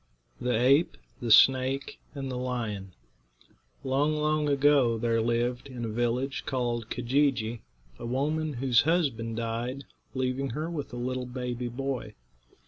THE APE, THE SNAKE, AND THE LION. Long, long ago there lived, in a village called Keejee'jee, a woman whose husband died, leaving her with a little baby boy.